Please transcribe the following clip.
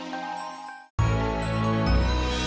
jadi semuanya berapa bu